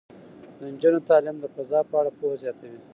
د نجونو تعلیم د فضا په اړه پوهه زیاتوي.